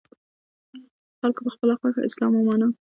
خلکو په خپله خوښه اسلام ومانه